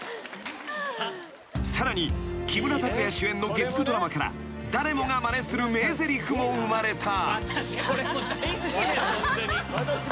［さらに木村拓哉主演の月９ドラマから誰もがまねする名ぜりふも生まれた］